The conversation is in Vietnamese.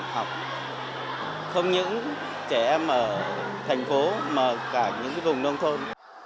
học không những trẻ em ở thành phố mà cả những vùng nông thôn